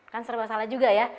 kan serba salah juga ya